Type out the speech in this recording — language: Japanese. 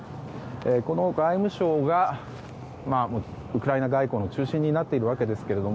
この外務省がウクライナ外交の中心になっているわけですけども